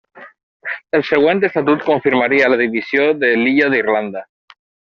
El següent estatut confirmaria la divisió de l'Illa d'Irlanda.